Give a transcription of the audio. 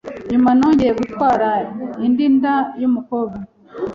Nyuma nongeye gutwara indi nda y’umukobwa